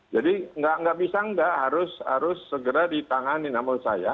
jadi nggak bisa nggak harus segera ditangani nama saya